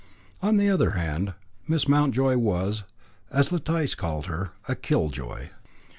On the other hand, Miss Mountjoy was, as Letice called her, a Killjoy.